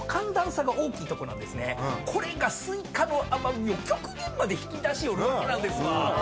これがスイカの甘味を極限まで引き出しよるわけなんですわ。